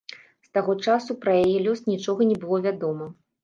З таго часу пра яе лёс нічога не было вядома.